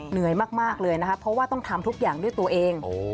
เหนื่อยมากเลยนะคะเพราะว่าต้องทำทุกอย่างด้วยตัวเอง